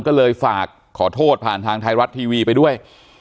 ก็เลยฝากขอโทษผ่านทางไทยรัฐทีวีไปด้วย